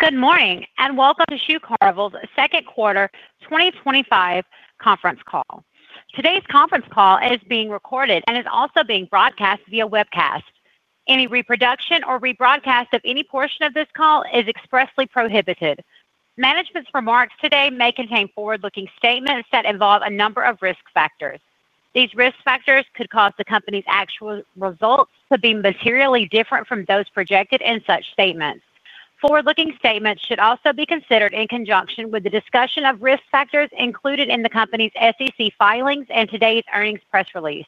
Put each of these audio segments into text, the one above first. Good morning, and welcome to Shoe Carnival's Second Quarter twenty twenty five Conference Call. Today's conference call is being recorded and is also being broadcast via webcast. Any reproduction or rebroadcast of any portion of this call is expressly prohibited. Management's remarks today may contain forward looking statements that involve a number of risk factors. These risk factors could cause the company's actual results to be materially different from those projected in such statements. Forward looking statements should also be considered in conjunction with the discussion of risk factors included in the company's SEC filings and today's earnings press release.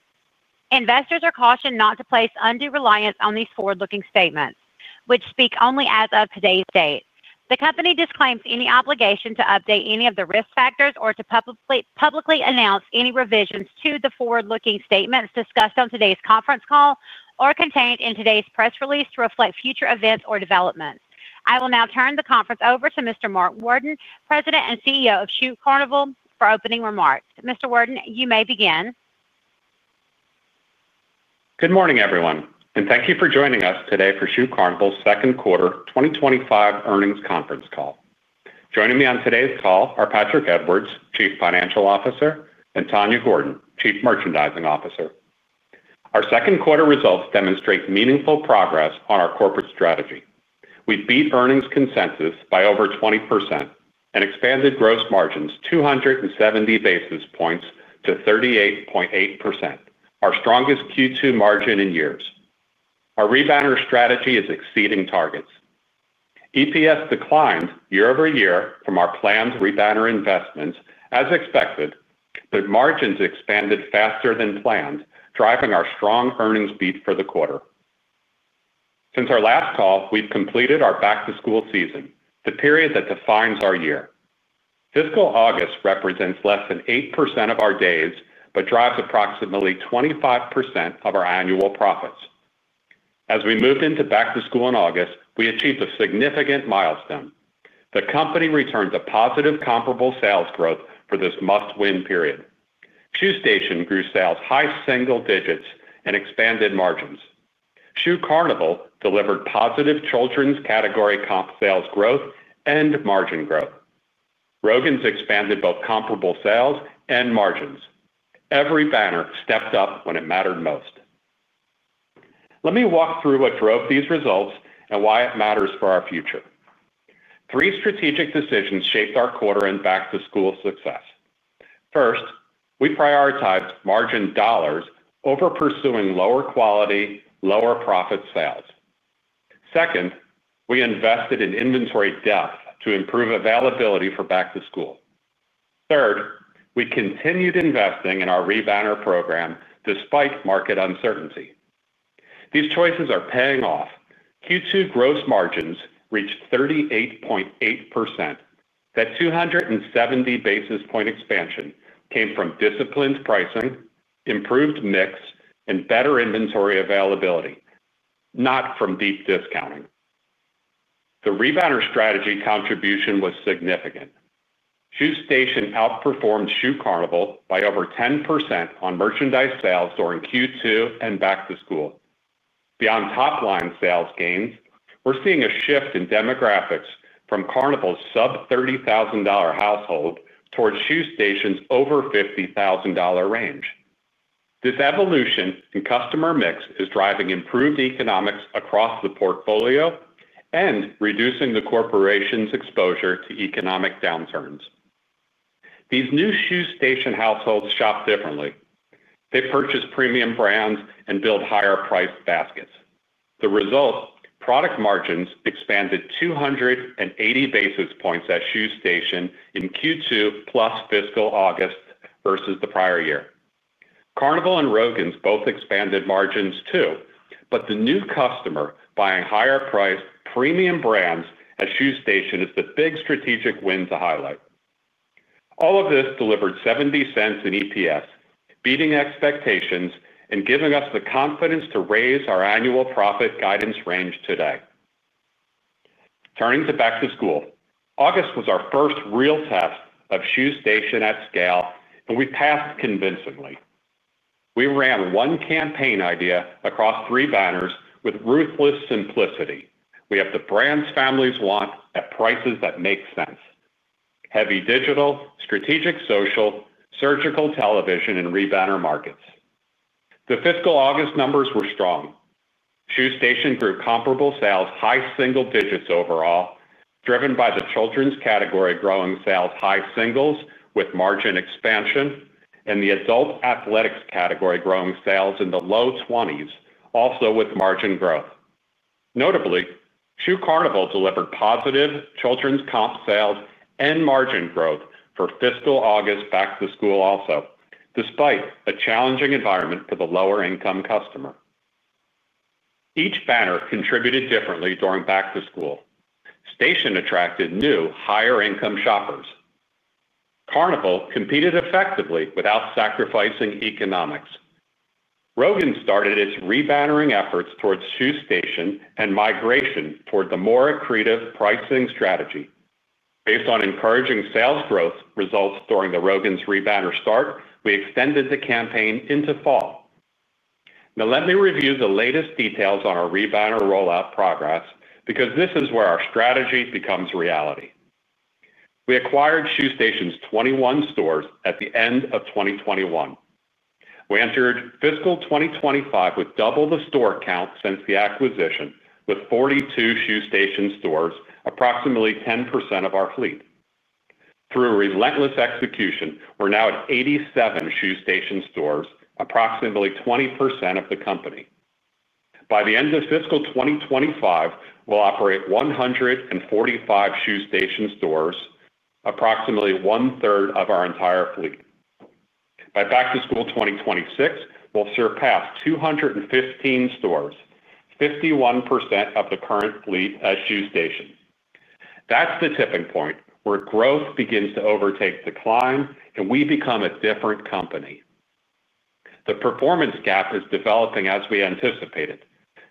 Investors are cautioned not to place undue reliance on these forward looking statements, which speak only as of today's date. The company disclaims any obligation to update any of the risk factors or to publicly announce any revisions to the forward looking statements discussed on today's conference call or contained in today's press release to reflect future events or developments. I will now turn the conference over to Mr. Mark Worden, President and CEO of Shoe Carnival for opening remarks. Mr. Worden, you may begin. Good morning, everyone, and thank you for joining us today for Shoe Carnival's second quarter twenty twenty five earnings conference call. Joining me on today's call are Patrick Edwards, Chief Financial Officer and Tanya Gordon, Chief Merchandising Officer. Our second quarter results demonstrate meaningful progress on our corporate strategy. We beat earnings consensus by over 20% and expanded gross margins two seventy basis points to 38.8%, our strongest Q2 margin in years. Our rebanner strategy is exceeding targets. EPS declined year over year from our planned rebanner investments as expected, but margins expanded faster than planned driving our strong earnings beat for the quarter. Since our last call, we've completed our back to school season, the period that defines our year. Fiscal August represents less than 8% of our days, but drives approximately 25% of our annual profits. As we moved into back to school in August, we achieved a significant milestone. The company returned to positive comparable sales growth for this must win period. Shoe Station grew sales high single digits and expanded margins. Schuh Carnival delivered positive children's category comp sales growth and margin growth. Rogan's expanded both comparable sales and margins. Every banner stepped up when it mattered most. Let me walk through what drove these results and why it matters for our future. Three strategic decisions shaped our quarter end back to school success. First, we prioritized margin dollars over pursuing lower quality, lower profit sales. Second, we invested in inventory depth to improve availability for back to school. Third, we continued investing in our Re Banner program despite market uncertainty. These choices are paying off. Q2 gross margins reached 38.8%. That two seventy basis point expansion came from disciplined pricing, improved mix and better inventory availability, not from deep discounting. The rebounder strategy contribution was significant. Shoe Station outperformed Shoe Carnival by over 10% on merchandise sales during Q2 and back to school. Beyond top line sales gains, we're seeing a shift in demographics from Carnival's sub-thirty thousand dollars household towards Shoe Station's over $50,000 range. This evolution in customer mix is driving improved economics across the portfolio and reducing the corporation's exposure to economic downturns. These new shoe station households shop differently. They purchase premium brands and build higher priced baskets. The result product margins expanded two eighty basis points at Shoe Station in Q2 plus fiscal August versus the prior year. Carnival and Rogan's both expanded margins too, but the new customer buying higher priced premium brands at Shoe Station is the big strategic win to highlight. All of this delivered $0.70 in EPS beating expectations and giving us the confidence to raise our annual profit guidance range today. Turning to back to school. August was our first real test of Schuh Station at scale and we passed convincingly. We ran one campaign idea across three banners with ruthless simplicity. We have the brands families want at prices that make sense heavy digital, strategic social, surgical television and rebanner markets. The fiscal August numbers were strong. Shoe Station grew comparable sales high single digits overall driven by the children's category growing sales high singles with margin expansion and the adult athletics category growing sales in the low 20s also with margin growth. Notably, Shoe Carnival delivered positive children's comp sales and margin growth for fiscal August back to school also despite a challenging environment for the lower income customer. Each banner contributed differently during back to school. Station attracted new higher income shoppers. Carnival competed effectively without sacrificing economics. Rogan started its re bantering efforts towards Schuh Station and migration towards a more accretive pricing strategy. Based on encouraging sales growth results during the Rogan's rebanner start, we extended the campaign into fall. Now let me review the latest details on our rebanner rollout progress because this is where our strategy becomes reality. We acquired Shoe Station's 21 stores at the 2021. We entered fiscal twenty twenty five with double the store count since the acquisition with 42 Shoe Station stores approximately 10% of our fleet. Through relentless execution, we're now at 87 shoe station stores approximately 20% of the company. By the end of fiscal twenty twenty five, we'll operate 145 shoe station stores approximately one third of our entire fleet. By back to school 2026, we'll surpass two fifteen stores, 51% of the current fleet as Shoe Station. That's the tipping point where growth begins to overtake decline and we become a different company. The performance gap is developing as we anticipated.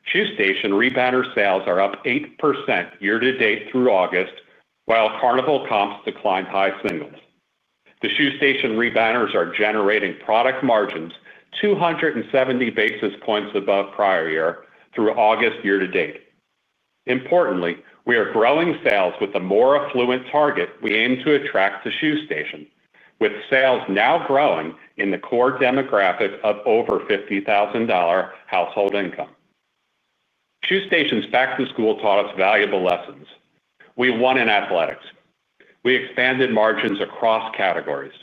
Shoe station rebanners sales are up 8% year to date through August, while Carnival comps declined high singles. The Shoe Station rebanners are generating product margins two seventy basis points above prior year through August year to date. Importantly, we are growing sales with a more affluent target we aim to attract to Shoe Station with sales now growing in the core demographic of over $50,000 household income. Shoe Station's back to school taught us valuable lessons. We won in athletics. We expanded margins across categories.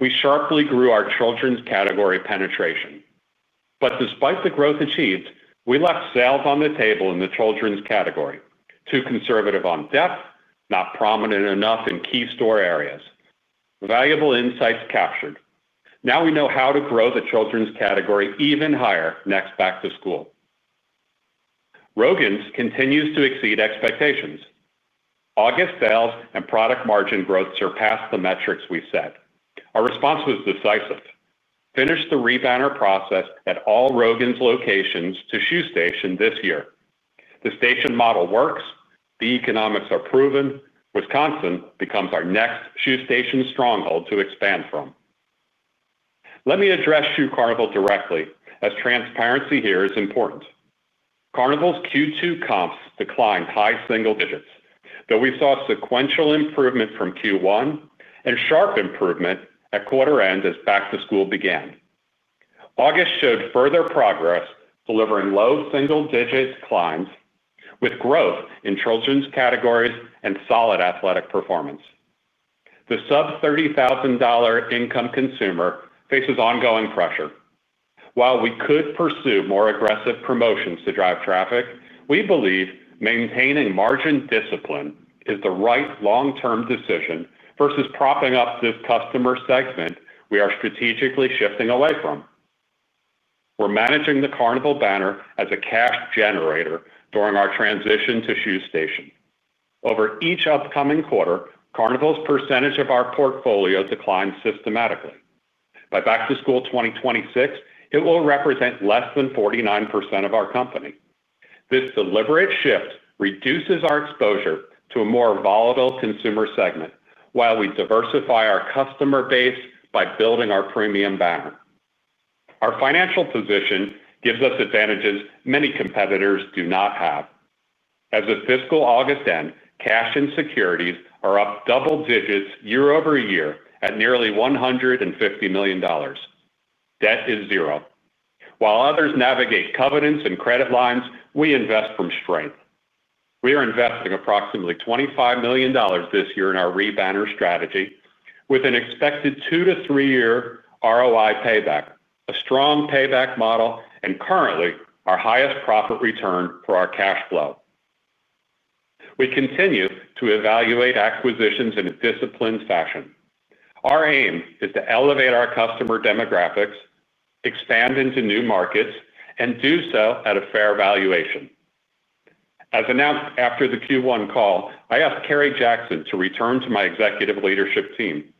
We sharply grew our children's category penetration. But despite the growth achieved, we left sales on the table in the children's category, too conservative on depth, not prominent enough in key store areas. Valuable insights captured. Now we know how to grow the children's category even higher next back to school. Rogan's continues to exceed expectations. August sales and product margin growth surpassed the metrics we set. Our response was decisive. Finish the rebanner process at all Rogan's locations to Shoe Station this year. The station model works. The economics are proven. Wisconsin becomes our next Shoe Station stronghold to expand from. Let me address Shoe Carnival directly as transparency here is important. Carnival's Q2 comps declined high single digits, though we saw sequential improvement from Q1 and sharp improvement at quarter end as back to school began. August showed further progress delivering low single digit climbs with growth in children's categories and solid athletic performance. The sub-thirty thousand dollars income consumer faces ongoing pressure. While we could pursue more aggressive promotions to drive traffic, we believe maintaining margin discipline is the right long term decision versus propping up this customer segment we are strategically shifting away from. We're managing the Carnival banner as a cash generator during our transition to Schuh's Station. Over each upcoming quarter, Carnival's percentage of our portfolio declined systematically. By back to school 2026, it will represent less than 49% of our company. This deliberate shift reduces our exposure to a more volatile consumer segment while we diversify our customer base by building our premium banner. Our financial position gives us advantages many competitors do not have. As of fiscal August end, cash and securities are up double digits year over year at nearly $150,000,000 Debt is zero. While others navigate covenants and credit lines, we invest from strength. We are investing approximately $25,000,000 this year in our rebanner strategy with an expected two to three year ROI payback, a strong payback model and currently our highest profit return for our cash flow. We continue to evaluate acquisitions in a disciplined fashion. Our aim is to elevate our customer demographics, expand into new markets and do so at a fair valuation. As announced after the Q1 call, I asked Kerry Jackson to return to my executive leadership team.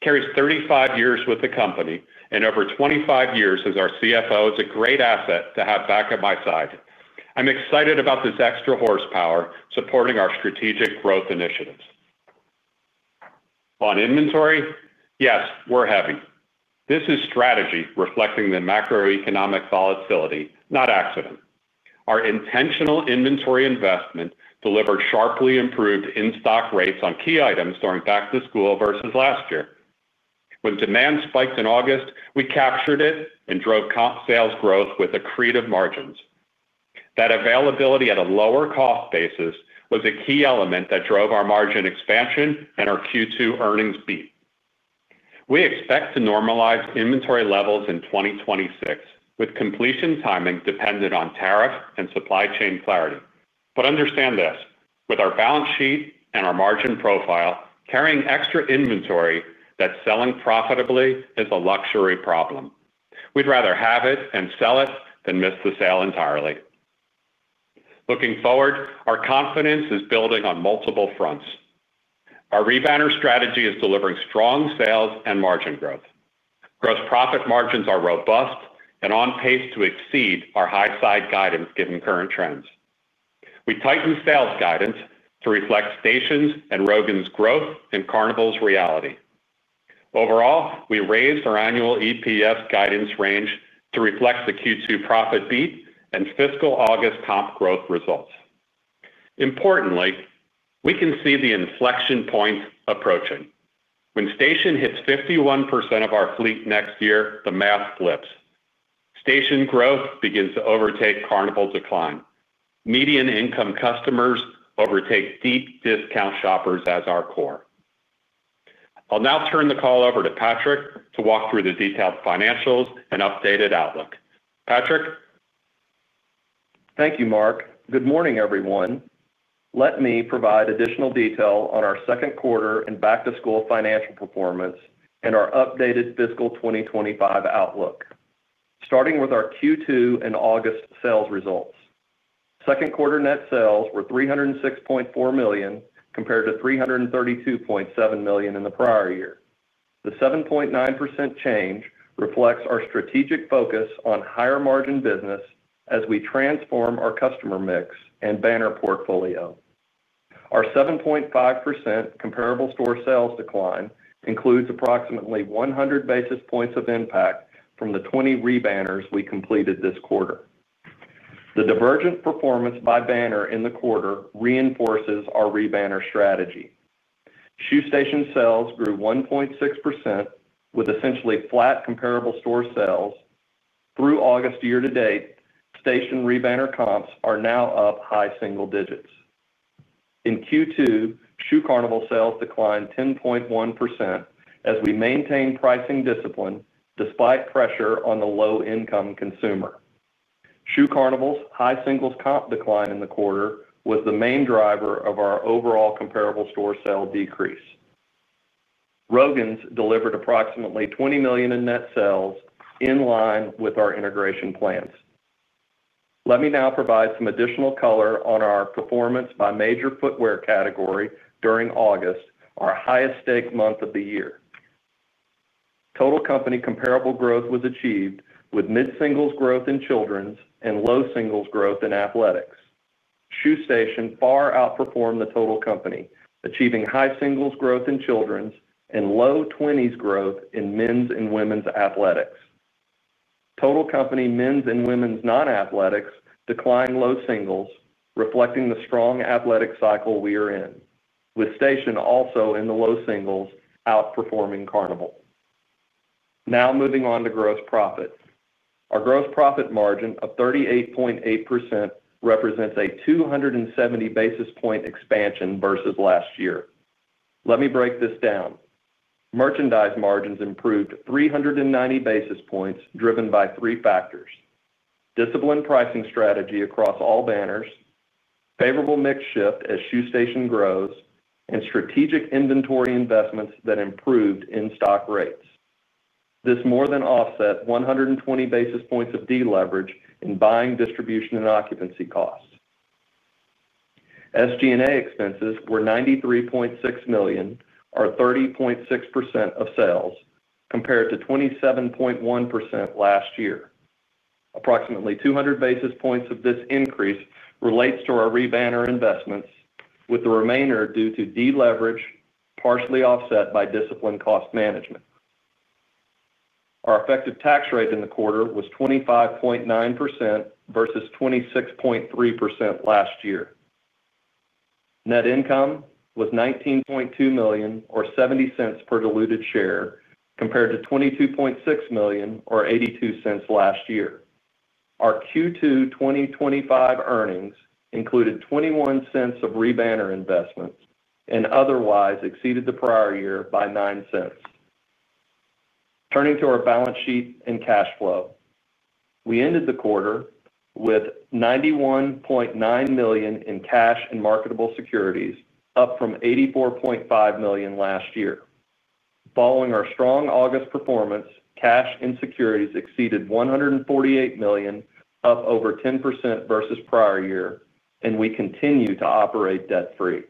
Kerry's thirty five years with the company and over twenty five years as our CFO is a great asset to have back at my side. I'm excited about this extra horsepower supporting our strategic growth initiatives. On inventory, yes, we're heavy. This is strategy reflecting the macroeconomic volatility not accident. Our intentional inventory investment delivered sharply improved in stock rates on key items during back to school versus last year. When demand spiked in August, we captured it and drove comp sales growth with accretive margins. That availability at a lower cost basis was a key element that drove our margin expansion and our Q2 earnings beat. We expect to normalize inventory levels in 2026 with completion timing dependent on tariff and supply chain clarity. But understand this, with our balance sheet and our margin profile carrying extra inventory that's selling profitably is a luxury problem. We'd rather have it and sell it than miss the sale entirely. Looking forward, our confidence is building on multiple fronts. Our Re Banner strategy is delivering strong sales and margin growth. Gross profit margins are robust and on pace to exceed our high side guidance given current trends. We tightened sales guidance to reflect Stations and Rogan's growth in Carnival's reality. Overall, we raised our annual EPS guidance range to reflect the Q2 profit beat and fiscal August comp growth results. Importantly, we can see the inflection point approaching. When station hits 51% of our fleet next year, the math flips. Station growth begins to overtake Carnival decline. Median income customers overtake deep discount shoppers as our core. I'll now turn the call over to Patrick to walk through the detailed financials and updated outlook. Patrick? Thank you, Mark. Good morning, everyone. Let me provide additional detail on our second quarter and back to school financial performance and our updated fiscal twenty twenty five outlook. Starting with our Q2 and August sales results. Second quarter net sales were $306,400,000 compared to $332,700,000 in the prior year. The 7.9% change reflects our strategic focus on higher margin business as we transform our customer mix and banner portfolio. Our 7.5% comparable store sales decline includes approximately 100 basis points of impact from the '20 rebanners we completed this quarter. The divergent performance by banner in the quarter reinforces our rebanner strategy. Shoe station sales grew 1.6% with essentially flat comparable store sales. Through August year to date, station re banner comps are now up high single digits. In Q2, Shoe Carnival sales declined 10.1% as we maintain pricing discipline despite pressure on the low income consumer. Shoe Carnival's high singles comp decline in the quarter was the main driver of our overall comparable store sale decrease. Rogan's delivered approximately $20,000,000 in net sales in line with our integration plans. Let me now provide some additional color on our performance by major footwear category during August, our highest stake month of the year. Total company comparable growth was achieved with mid singles growth in children's and low singles growth in athletics. Shoe Station far outperformed the total company, achieving high singles growth in children's and low 20s growth in men's and women's athletics. Total company men's and women's non athletics declined low singles, reflecting the strong athletic cycle we are in, with Station also in the low singles outperforming Carnival. Now moving on to gross profit. Our gross profit margin of 38.8% represents a two seventy basis point expansion versus last year. Let me break this down. Merchandise margins improved three ninety basis points driven by three factors disciplined pricing strategy across all banners, favorable mix shift as Shoe Station grows and strategic inventory investments that improved in stock rates. This more than offset 120 basis points of deleverage in buying distribution and occupancy costs. SG and A expenses were $93,600,000 or 30.6% of sales compared to 27.1% last year. Approximately 200 basis points of this increase relates to our rebanner investments with the remainder due to deleverage partially offset by disciplined cost management. Our effective tax rate in the quarter was 25.9% versus 26.3% last year. Net income was $19,200,000 or $0.70 per diluted share compared to $22,600,000 or $0.82 last year. Our Q2 twenty twenty five earnings included $0.21 of Re Banner investments and otherwise exceeded the prior year by $0.09 Turning to our balance sheet and cash flow. We ended the quarter with $91,900,000 in cash and marketable securities, up from $84,500,000 last year. Following our strong August performance, cash and securities exceeded 148,000,000 up over 10% versus prior year and we continue to operate debt free.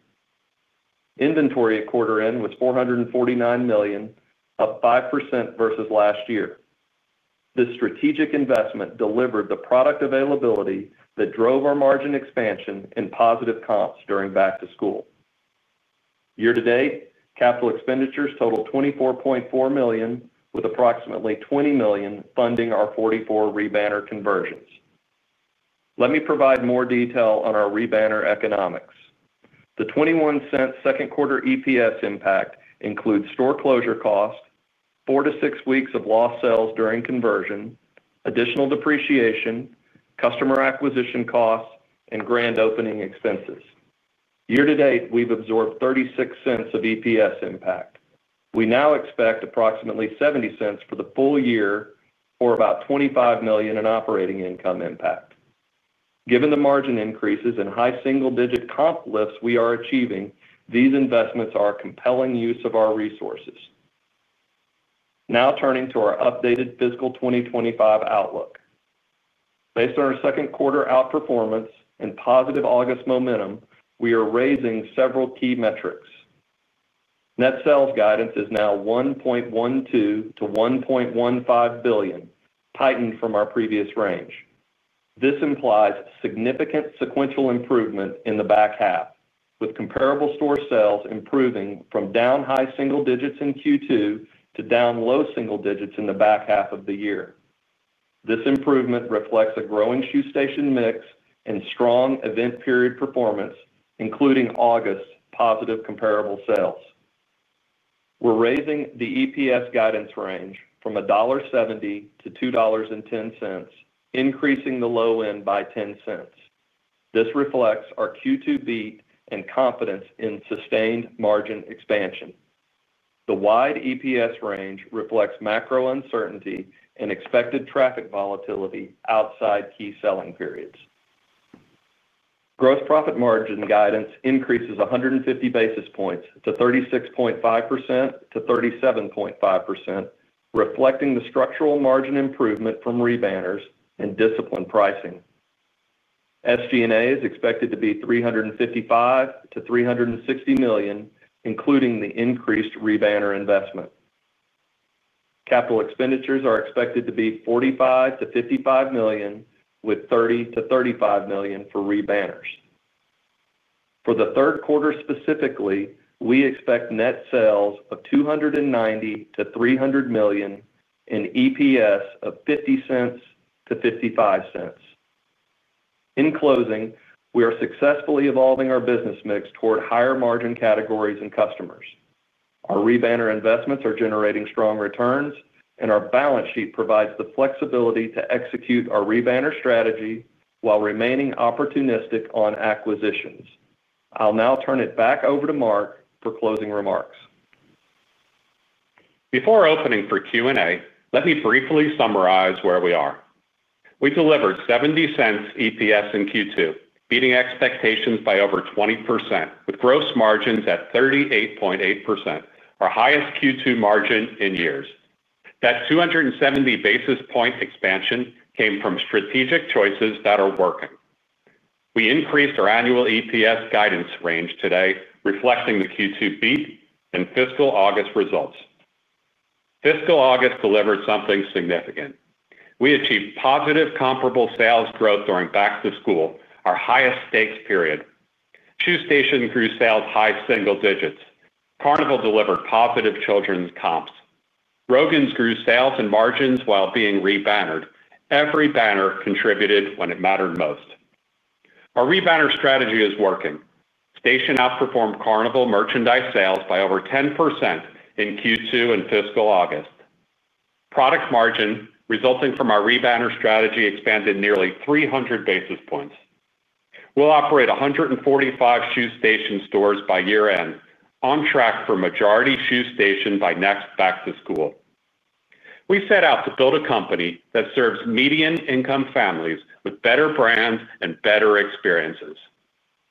Inventory at quarter end was $449,000,000 up 5% versus last year. This strategic investment delivered the product availability that drove our margin expansion and positive comps during back to school. Year to date, capital expenditures totaled $24,400,000 with approximately $20,000,000 funding our 44 rebanner conversions. Let me provide more detail on our rebanner economics. The $0.21 second quarter EPS impact includes store closure costs, four to six weeks of lost sales during conversion, additional depreciation, customer acquisition costs and grand opening expenses. Year to date, we've absorbed $0.36 of EPS impact. We now expect approximately $0.70 for the full year or about $25,000,000 in operating income impact. Given the margin increases and high single digit comp lifts we are achieving, these investments are compelling use of our resources. Now turning to our updated fiscal twenty twenty five outlook. Based on our second quarter outperformance and positive August momentum, we are raising several key metrics. Net sales guidance is now 1,120,000,000.00 to $1,150,000,000 tightened from our previous range. This implies significant sequential improvement in the back half with comparable store sales improving from down high single digits in Q2 to down low single digits in the back half of the year. This improvement reflects a growing shoe station mix and strong event period performance including August positive comparable sales. We're raising the EPS guidance range from 1.7 to $2.1 increasing the low end by $0.10 This reflects our Q2 beat and confidence in sustained margin expansion. The wide EPS range reflects macro uncertainty and expected traffic volatility outside key selling periods. Gross profit margin guidance increases 150 basis points to 36.5% to 37.5%, reflecting the structural margin improvement from rebanners and disciplined pricing. SG and A is expected to be $355,000,000 to $360,000,000 including the increased rebanner investment. Capital expenditures are expected to be 45,000,000 to $55,000,000 with 30,000,000 to $35,000,000 for re banners. For the third quarter specifically, we expect net sales of $290,000,000 to $300,000,000 and EPS of $0.50 to $0.55 In closing, we are successfully evolving our business mix toward higher margin categories and customers. Our rebanner investments are generating strong returns and our balance sheet provides the flexibility to execute our rebanner strategy while remaining opportunistic on acquisitions. I'll now turn it back over to Mark for closing remarks. Before opening for Q and A, let me briefly summarize where we are. We delivered zero seven zero dollars EPS in Q2, beating expectations by over 20% with gross margins at 38.8%, our highest Q2 margin in years. That two seventy basis point expansion came from strategic choices that are working. We increased our annual EPS guidance range today reflecting the Q2 beat and fiscal August results. Fiscal August delivered something significant. We achieved positive comparable sales growth during back to school, our highest stakes period. Shoe Station grew sales high single digits. Carnival delivered positive children's comps. Rogan's grew sales and margins while being rebannered. Every banner contributed when it mattered most. Our rebannered strategy is working. Station outperformed Carnival merchandise sales by over 10% in Q2 and fiscal August. Product margin resulting from our rebanners strategy expanded nearly 300 basis points. We'll operate 145 Shoe Station stores by year end on track for majority Shoe Station by next back to school. We set out to build a company that serves median income families with better brands and better experiences.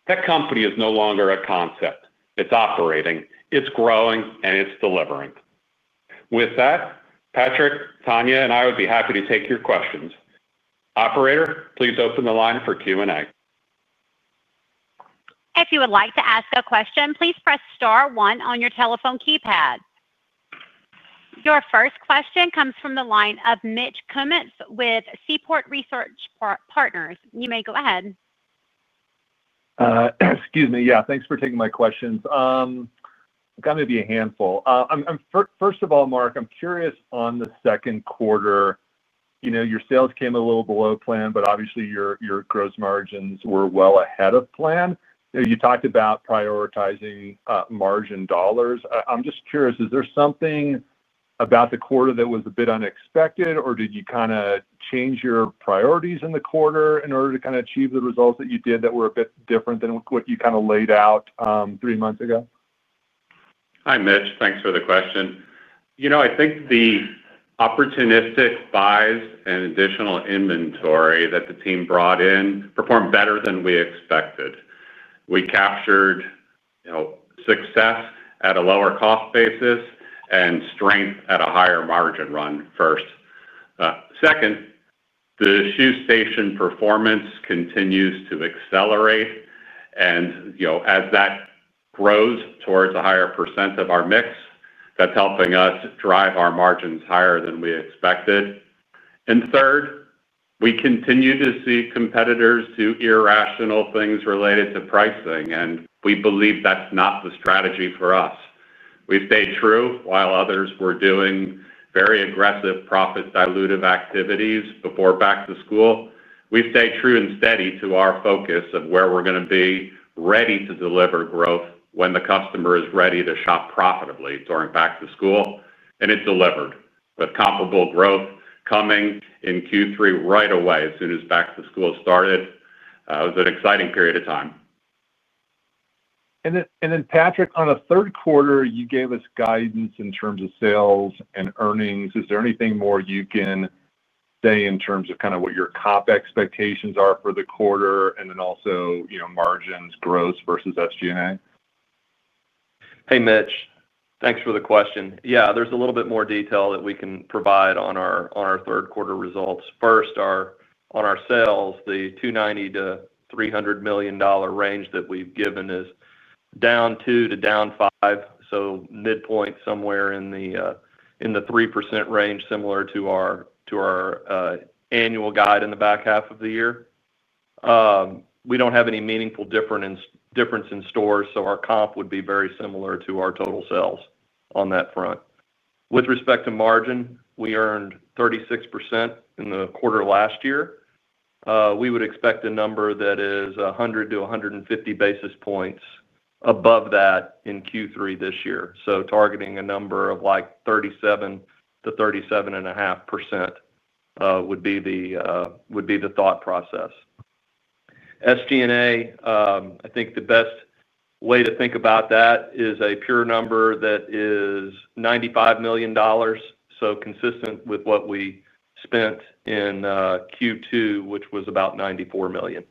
That company is no longer a concept. It's operating, it's growing and it's delivering. With that, Patrick, Tanya and I would be happy to take your questions. Operator, please open the line for Q and A. Your first question comes from the line of Mitch Kummetz with Seaport Research Partners. You may go ahead. Excuse me. Yes, thanks for taking my questions. Kind of be a handful. First of all, Mark, I'm curious on the second quarter, your sales came a little below plan, but obviously your gross margins were well ahead of plan. You talked about prioritizing margin dollars. I'm just curious, is there something about the quarter that was a bit unexpected or did you kind of change your priorities in the quarter in order to kind of achieve the results that you did that were a bit different than what you kind of laid out three months ago? Hi, Mitch. Thanks for the question. I think the opportunistic buys and additional inventory that the team brought in performed better than we expected. We captured success at a lower cost basis and strength at a higher margin run first. Second, the shoe station performance continues to accelerate and as that grows towards a higher percent of our mix that's helping us drive our margins higher than we expected. And third, we continue to see competitors do irrational things related to price pricing and we believe that's not the strategy for us. We've stayed true while others were doing very aggressive profit dilutive activities before back to school. We've stayed true and steady to our focus of where we're going to be ready to deliver growth when the customer is ready to shop profitably during back to school and it delivered with comparable growth coming in Q3 right away as soon as back to school started. It was an exciting period of time. And then Patrick on the third quarter you gave us guidance in terms of sales and earnings. Is there anything more you can say in terms of kind of what your comp expectations are for the quarter and then also margins gross versus SG and A? Hey, Mitch. Thanks for the question. Yes, there's a little bit more detail that we can provide on our third quarter results. First, on our sales, the $290,000,000 to $300,000,000 range that we've given is down 2% to down 5%. So midpoint somewhere in the 3% range similar to our annual guide in the back half of the year. We don't have any meaningful difference in stores, so our comp would be very similar to our total sales on that front. With respect to margin, we earned 36% in the quarter last year. We would expect a number that is 100 basis to 150 basis points above that in Q3 this year. So targeting a number of like 37% to 37.5% would be the thought process. SG and A, I think the best way to think about that is a pure number that is 95,000,000 so consistent with what we spent in Q2, which was about $94,000,000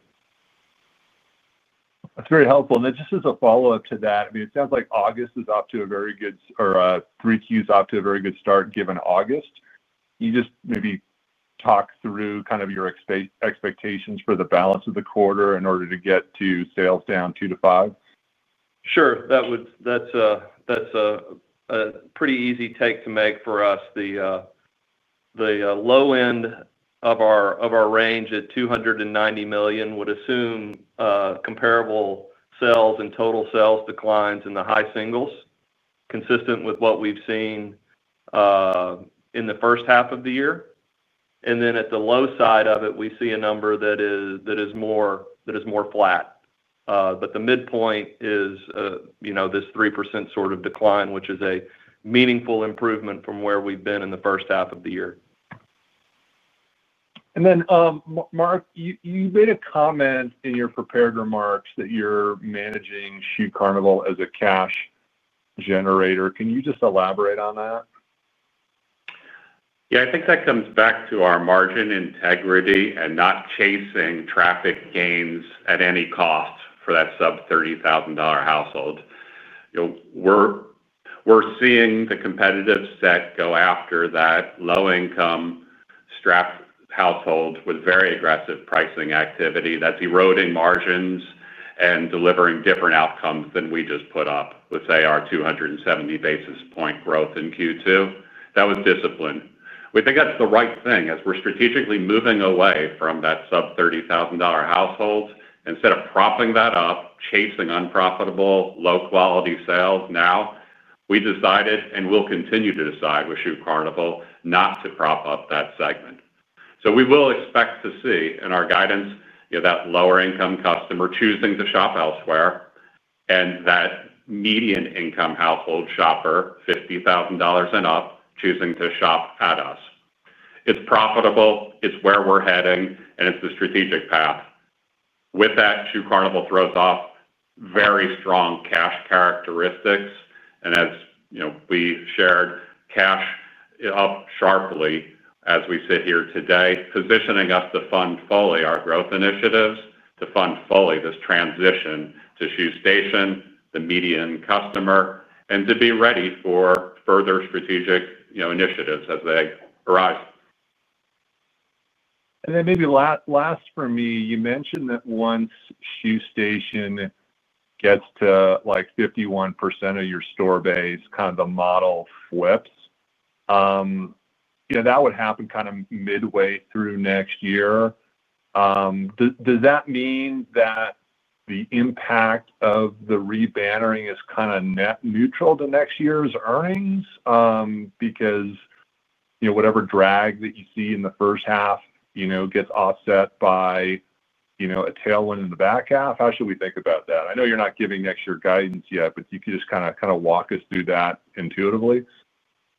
That's very helpful. And then just as a follow-up to that, I mean, sounds like August is off to a very good or 3Q is off to a very good start given August. Can you just maybe talk through kind of your expectations for the balance of the quarter in order to get to sales down 2% to 5%? Sure. That's pretty easy take to make for us. The low end of our range at $290,000,000 would assume comparable sales and total sales declines in the high singles, consistent with what we've seen in the first half of the year. And then at the low side of it, we see a number that is more flat. But the midpoint is this 3% sort of decline, which is a meaningful improvement from where we've been in the first half of the year. And then, Mark, you made a comment in your prepared remarks that you're managing Shoe Carnival as a cash generator. Can you just elaborate on that? Yes. I think that comes back to our margin integrity and not chasing traffic gains at any cost for that sub-thirty thousand dollars household. We're seeing the competitive set go after that low income strap household with very aggressive pricing activity that's eroding margins and delivering different outcomes than we just put up, let's say our $2.70 basis point growth in Q2. That was disciplined. We think that's the right thing as we're strategically moving away from that sub-thirty thousand dollars households instead of propping that up chasing unprofitable low quality sales now, we decided and will continue to decide with Shoe Carnival not to prop up that segment. So we will expect to see in our guidance that lower income customer choosing to shop elsewhere and that median income household shopper $50,000 and up choosing to shop at us. It's profitable. It's where we're heading and it's the strategic path. With that, Shoe Carnival throws off very strong cash characteristics and as we shared cash up sharply as we sit here today positioning us to fund fully our growth initiatives to fund fully this transition to Shoe Station, the median customer and to be ready for further strategic initiatives as they arise. And then maybe last for me. You mentioned that once Hue Station gets to like 51% of your store base, kind of the model flips. That would happen kind of midway through next year. Does that mean that the impact of the rebannering is kind of net neutral to next year's earnings? Because whatever drag that you see in the first half gets offset by a tailwind in the back half? How should we think about that? I know you're not giving next year guidance yet, but you could just kind of walk us through that intuitively?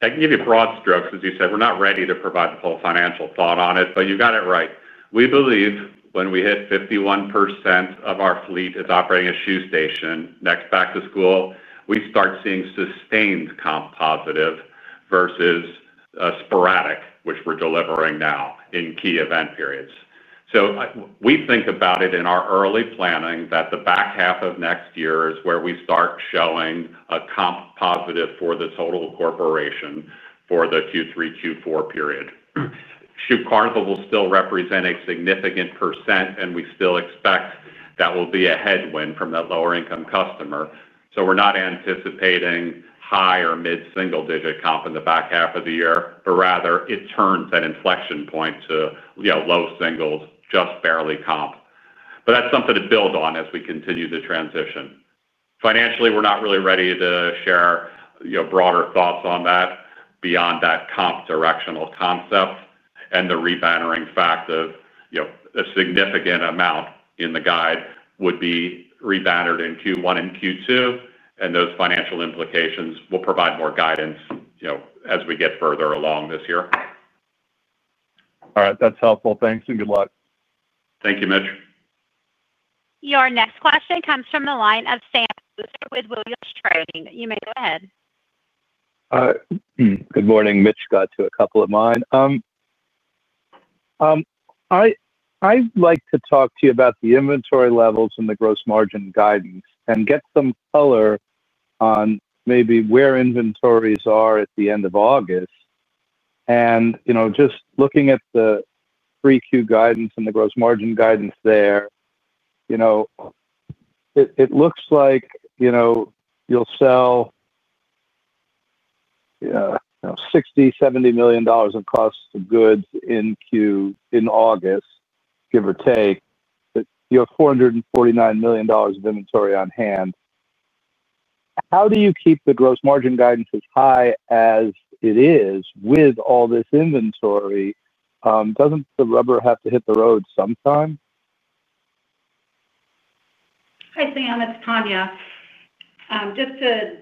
I can give you broad strokes. As you said, we're not ready to provide full financial thought on it, but you got it right. We believe when we hit 51% of our fleet is operating a shoe station next back to school, we start seeing sustained comp positive versus sporadic which we're delivering now in key event periods. So we think about it in our early planning that the back half of next year is where we start showing a comp positive for the total corporation for the Q3, Q4 period. Shoe Carnival will still represent a significant percent and we still expect that will be a headwind from that lower income customer. So we're not anticipating high or mid single digit comp in the back half of the year, but rather it turns that inflection point to low singles just barely comp. But that's something to build on as we continue the transition. Financially, we're not really ready to share broader thoughts on that beyond that comp directional concept and the re banner in fact of a significant amount in the guide would be re bannered in Q1 and Q2 and those financial implications will provide more guidance as we get further along this year. All right. That's helpful. Thanks and good luck. Thank you, Mitch. Your next question comes from the line of Sam Buster with Williams Trading. You may go ahead. Morning. Mitch got to a couple of mine. I'd like to talk to you about the inventory levels and the gross margin guidance and get some color on maybe where inventories are at the August. And just looking at the 3Q guidance and the gross margin guidance there, it looks like you'll sell 60,000,070 million dollars of cost of goods in August, give or take. But you have $449,000,000 of inventory on hand. How do you keep the gross margin guidance as high as it is with all this inventory? Doesn't the rubber have to hit the road sometime? Hi Sam, it's Tanya. Just to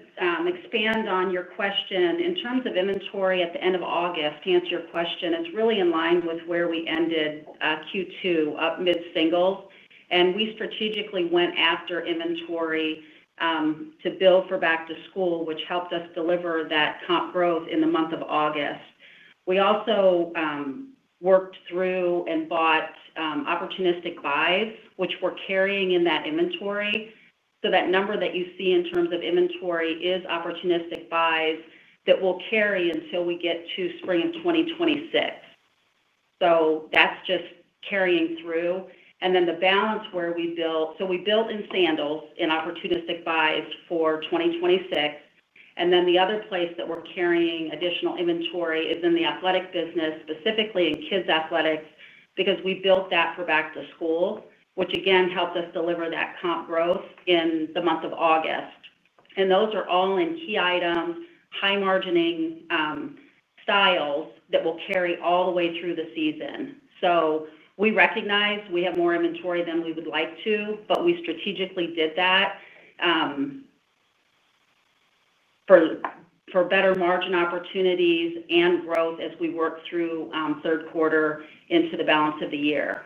expand on your question in terms of inventory at the August to answer your question it's really in line with where we ended Q2 up mid single and we strategically went after inventory to build for back to school which helped us deliver that comp growth in the month of August. We also worked through and bought opportunistic buys which we're carrying in that inventory. So that number that you see in terms of inventory is opportunistic buys that will carry until we get to spring twenty twenty six. So that's just carrying through. And then the balance where we built so we built in sandals in opportunistic buys for 2026. And then the other place that we're carrying additional inventory is in the athletic business specifically in kids athletic because we built that for back to school which again helped us deliver that comp growth in the month of August. And those are all in key items high margining styles that will carry all the way through the season. So we recognize we have more inventory than we would like to but we strategically did that for better margin opportunities and growth as we work through third quarter into the balance of the year.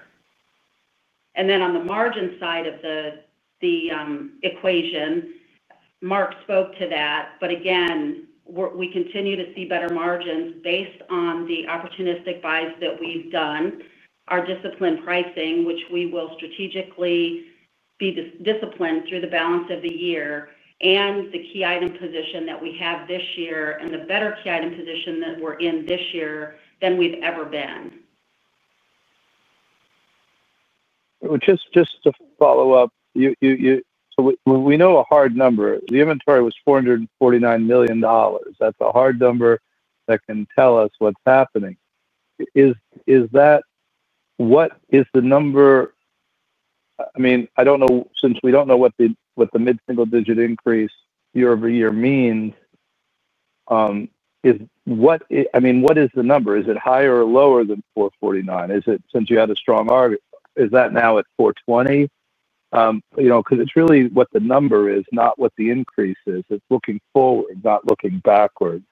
And then on the margin side of the equation, Mark spoke to that. But again, we continue to see better margins based on the opportunistic buys that we've done. Our disciplined pricing which we will strategically be disciplined through the balance of the year and the key item position that we have this year and the better key item position that we're in this year than we've ever been. Just to follow-up, we know a hard number. The inventory was $449,000,000 That's a hard number that can tell us what's happening. Is that what is the number? I mean, I don't know. Since we don't know what the what the mid single digit increase year over year means, is what I mean, what is the number? Is it higher or lower than 4.49%? Is it since you had a strong is that now at 4.2%? Because it's really what the number is, not what the increase is. It's looking forward, not looking backward.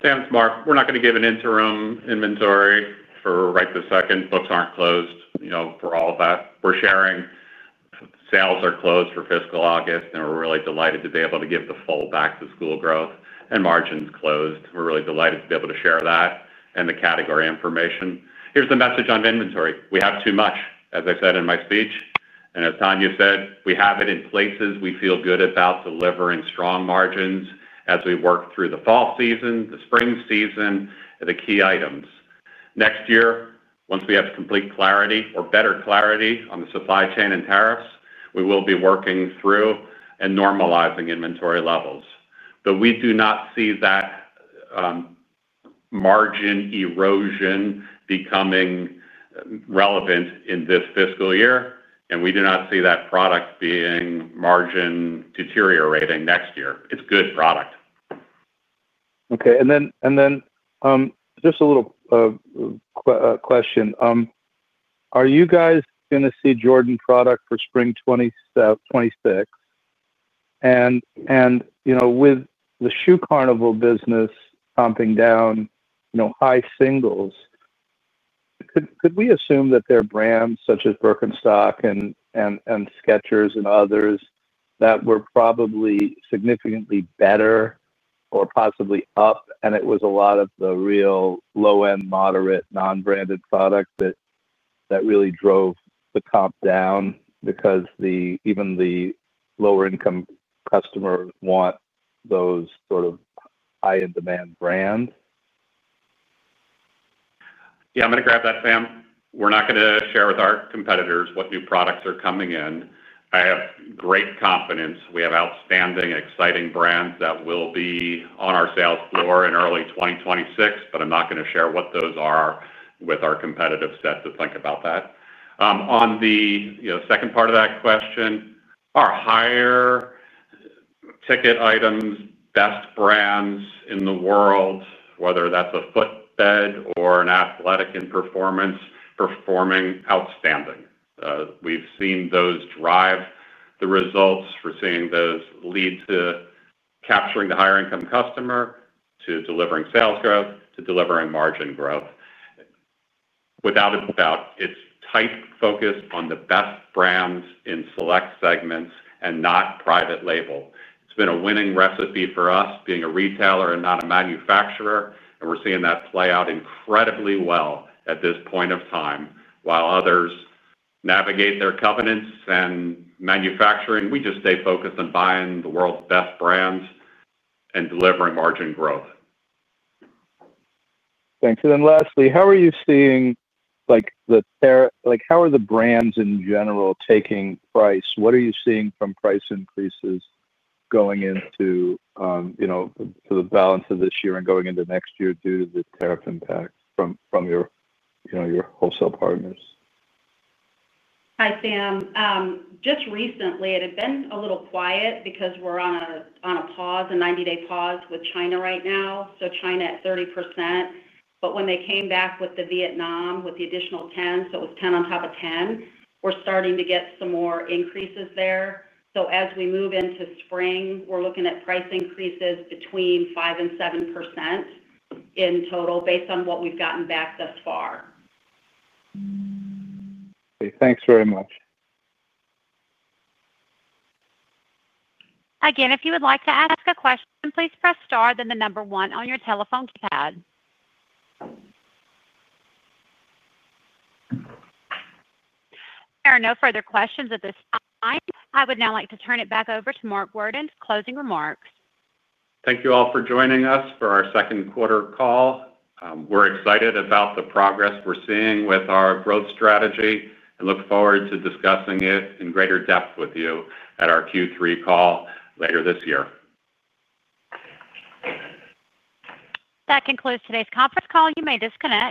Sam, it's Mark. We're not going give an interim inventory for right this second. Books aren't closed for all of that. We're sharing sales are closed for fiscal August and we're really delighted to be able to give the full back to school growth and margins closed. We're really delighted to be able to share that and the category information. Here's the message on inventory. We have too much as I said in my speech. And as Tanya said, we have it in places we feel good about delivering strong margins as we work through the fall season, the spring season and the key items. Next year, once we have complete clarity or better clarity on the supply chain and tariffs, we will be working through and normalizing inventory levels. But we do not see that margin erosion becoming relevant in this fiscal year and we do not see that product being margin deteriorating next year. It's good product. Okay. And then just a little question. Are you guys going to see Jordan product for spring twenty twenty six? And with the Shoe Carnival business comping down high singles, could we assume that there are brands such as Birkenstock and Skechers and others that were probably significantly better or possibly up, and it was a lot of the real low end moderate non branded products that really drove the comp down because the even the lower income customers want those sort of high end demand brands? Yes, I'm going to grab that Sam. We're not going to share with our competitors what new products are coming in. I have great confidence. We have outstanding exciting brands that will be on our sales floor in early twenty twenty six, but I'm not going to share what those are with our competitive set to think about that. On the second part of that question, our higher ticket items, best brands in the world, whether that's a foot bed or an athletic and performance performing outstanding. We've seen those drive the results. We're seeing those lead to capturing the higher income customer to delivering sales growth to delivering margin growth. Without its tight focus on the best brands in select segments and not private label. It's been a winning recipe for us being a retailer and not a manufacturer and we're seeing that play out incredibly well at this point of time while others navigate their covenants We just stay focused on buying the world's best brands and delivering margin growth. Thanks. And then lastly, how are you seeing like the like how are the brands in general taking price? What are you seeing from price increases going into the balance of this year and going into next year due to the tariff impact from your wholesale partners? Hi, Sam. Just recently it had been a little quiet because we're on a pause, a ninety day pause with China right now. So China at 30%. But when they came back with the Vietnam with the additional 10, so it 10 on top of 10, We're starting to get some more increases there. So as we move into spring, we're looking at price increases between 57% in total based on what we've gotten back thus far. Okay. Thanks very much. There are no further questions at this time. I would now like to turn it back over to Mark Worden for closing remarks. Thank you all for joining us for our second quarter call. We're excited about the progress we're seeing with our growth strategy and look forward to discussing it in greater depth with you at our Q3 call later this year. That concludes today's conference call. You may disconnect.